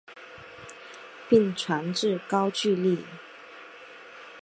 并传至高句丽。